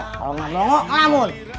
kalo ga bengong kelamun